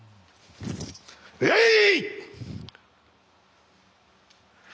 えい！